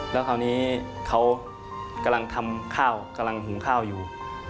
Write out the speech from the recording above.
แล้วคราวนี้เขากำลังทำข้าวกำลังหุงข้าวอยู่